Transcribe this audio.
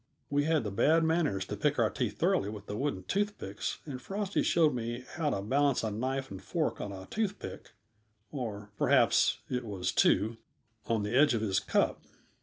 We had the bad manners to pick our teeth thoroughly with the wooden toothpicks, and Frosty showed me how to balance a knife and fork on a toothpick or, perhaps, it was two on the edge of his cup.